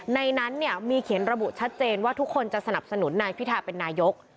ในนั้นเนี่ยมีเขียนระบุชัดเจนว่าทุกคนจะสนับสนุนนายพิทาเป็นนายก